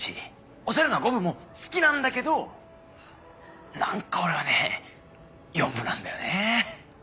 オシャレな５部も好きなんだけど何か俺はね４部なんだよね。